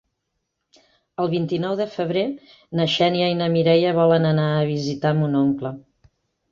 El vint-i-nou de febrer na Xènia i na Mireia volen anar a visitar mon oncle.